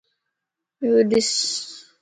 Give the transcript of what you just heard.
يوڏس